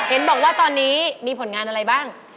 เห็นบอกว่าตอนนี้มีผลงานอะไรบ้าง